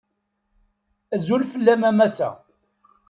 Azul fell-am a massa.